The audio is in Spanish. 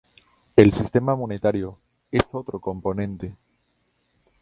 El sistema monetario es otro componente.